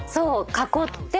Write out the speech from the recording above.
囲って。